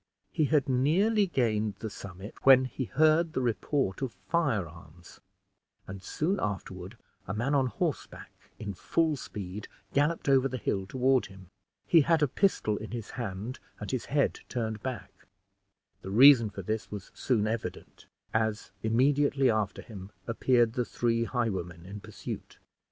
He had nearly gained the summit when he heard the report of firearms, and soon afterward a man on horseback, in full speed, galloped over the hill toward him. He had a pistol in his hand, and his head turned back. The reason for this was soon evident, as immediately after him appeared the three highwaymen in pursuit.